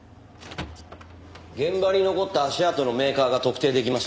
現場に残った足跡のメーカーが特定できました。